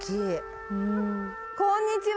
こんにちは。